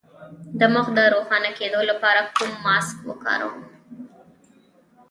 د مخ د روښانه کیدو لپاره کوم ماسک وکاروم؟